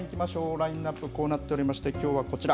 ラインナップ、こうなっておりまして、きょうはこちら。